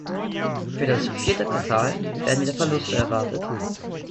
Für das vierte Quartal werden wieder Verluste erwartet.